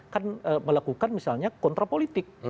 kan melakukan misalnya kontrapolitik